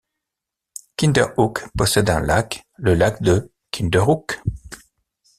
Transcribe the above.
Kinderhook possède un lac, le lac de Kinderhook.